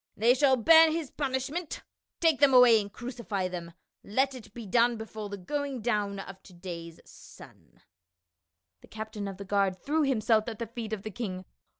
They shall bear his punish RETRIBUTION. 265 ment. Take them away and crucify them ; let it be done before the going down of to day's sun." The captain of the guard threw himself at the feet of the king.